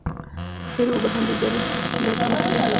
ډېرې اوبه هم بې ضرورته مه څښئ.